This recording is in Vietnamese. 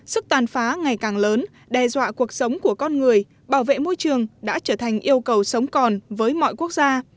sức tàn phá ngày càng lớn đe dọa cuộc sống của con người bảo vệ môi trường đã trở thành yêu cầu sống còn với mọi quốc gia